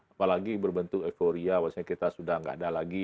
apalagi berbentuk euforia bahwasanya kita sudah tidak ada lagi